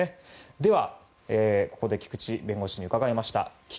では、ここで菊地弁護士に伺いました。